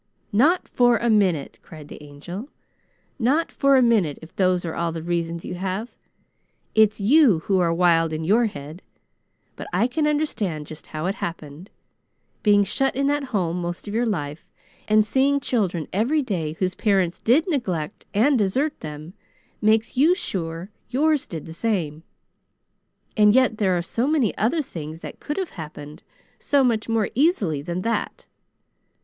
"Not for a minute!" cried the Angel. "Not for a minute, if those are all the reasons you have. It's you who are wild in your head, but I can understand just how it happened. Being shut in that Home most of your life, and seeing children every day whose parents did neglect and desert them, makes you sure yours did the same; and yet there are so many other things that could have happened so much more easily than that.